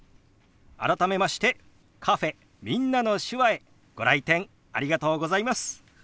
改めましてカフェ「みんなの手話」へご来店ありがとうございます。